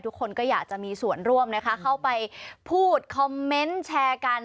ทุกคนก็อยากจะมีส่วนร่วมนะคะเข้าไปพูดคอมเมนต์แชร์กัน